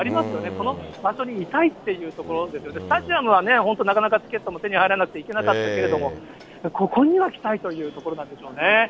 この場所にいたいっていう、スタジアムはなかなかチケットも手に入らなくて行けなかったけれども、ここには来たいというところなんでしょうね。